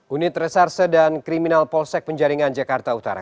unit resarse dan kriminal polsek penjaringan jakarta utara